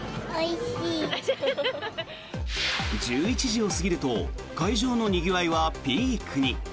１１時を過ぎると会場のにぎわいはピークに。